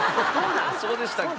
そうでしたっけ？